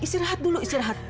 istirahat dulu istirahat